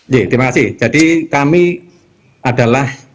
ya terima kasih jadi kami adalah